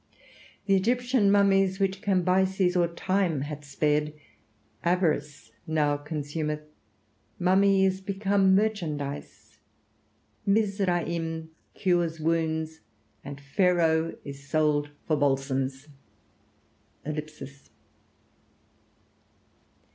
The Egyptian mummies, which Cambyses or time hath spared, avarice now consumeth. Mummy is become merchandise, Mizraim cures wounds, and Pharaoh is sold for balsams....